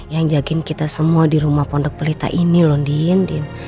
yang jagain kita semua di rumah pondok pelita ini loh diin din